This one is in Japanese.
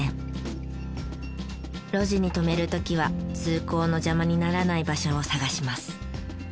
路地に止める時は通行の邪魔にならない場所を探します。